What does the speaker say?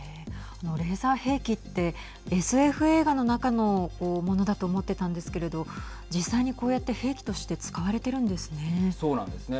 レーザー兵器ってＳＦ映画の中のものだと思っていたのですけれど実際にこうやって兵器として使われているんですね。